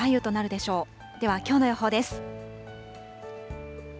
ではきょうの予報です。